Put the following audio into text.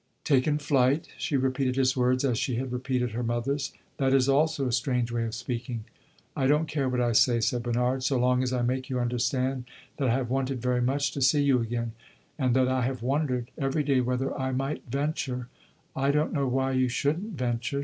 "Taken flight?" She repeated his words as she had repeated her mother's. "That is also a strange way of speaking!" "I don't care what I say," said Bernard, "so long as I make you understand that I have wanted very much to see you again, and that I have wondered every day whether I might venture " "I don't know why you should n't venture!"